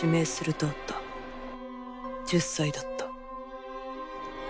１０歳だった。